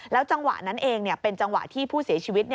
จังหวะนั้นเองเป็นจังหวะที่ผู้เสียชีวิต